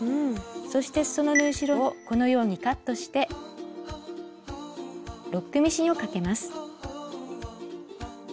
そしてすその縫い代をこのようにカットしてロックミシンをかけます。